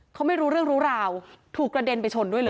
เขาไม่รู้เรื่องรู้ราวถูกกระเด็นไปชนด้วยเลย